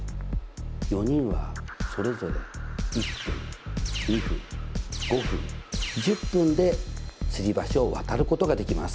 ４人はそれぞれ１分２分５分１０分でつり橋を渡ることができます。